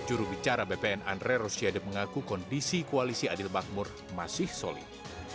acara bpn andre rosyade mengaku kondisi koalisi adil bakmur masih solid